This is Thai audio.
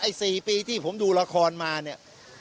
ไอ้๔ปีที่ผมดูละครมานี่